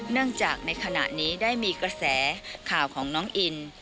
เนื่องจากในขณะนี้ได้มีกระแสข่าวของน้องอิน